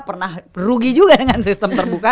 pernah rugi juga dengan sistem terbuka